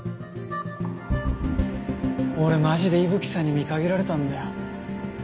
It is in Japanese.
俺マジで伊吹さんに見限られたんだよ。